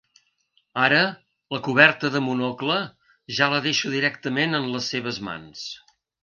Ara, la coberta de Monocle ja la deixo directament en les seves mans.